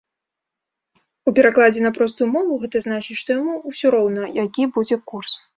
У перакладзе на простую мову гэта значыць, што яму ўсё роўна, які будзе курс.